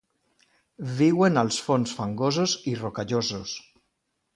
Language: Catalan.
Viuen als fons fangosos i rocallosos.